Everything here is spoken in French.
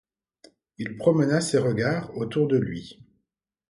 Il promena ses regards autour de lui.